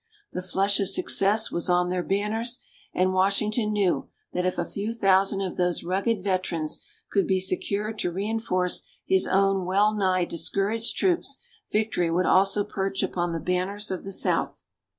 The flush of success was on their banners; and Washington knew that if a few thousand of those rugged veterans could be secured to reinforce his own well nigh discouraged troops, victory would also perch upon the banners of the South.